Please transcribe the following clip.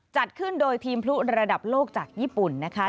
จัดขึ้นโดยทีมพลุระดับโลกจากญี่ปุ่นนะคะ